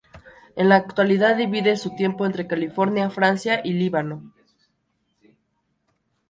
En la actualidad divide su tiempo entre California, Francia y el Líbano.